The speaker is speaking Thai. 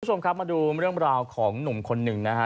คุณผู้ชมครับมาดูเรื่องราวของหนุ่มคนหนึ่งนะฮะ